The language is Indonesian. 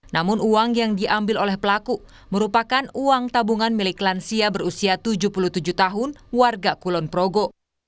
namun uang yang diambil oleh pelaku merupakan uang tabungan milik lansia berusia tujuh puluh tujuh tahun warga kulon progo